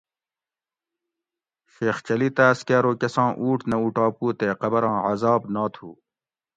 شیخ چلی تاۤس کہ ارو کساں اوٹ نہ اُوٹاپو تے قبراں عزاب نا تھو